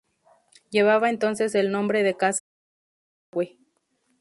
Llevaba entonces el nombre de Casa del Real Desagüe.